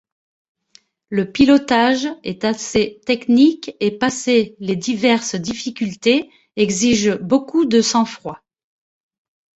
Le pilotage est assez technique et passer les diverses difficultés exige beaucoup de sang-froid.